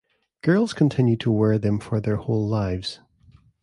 Girls continued to wear them for their whole lives.